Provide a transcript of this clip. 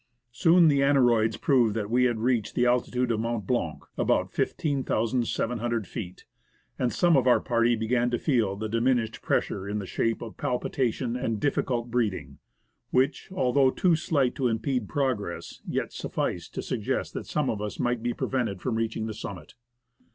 Soon the aneroids proved that we had reached the altitude of Mont Blanc (about 15,700 feet), and some of our party began to feel the dimin ished pressure in the shape of palpitation and difficult breathing, which although too slight to impede progress, yet sufficed to suggest that some of us might be prevented from reaching the summit.